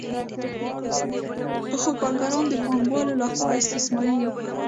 خو کارګران د پانګوال له خوا استثمارېږي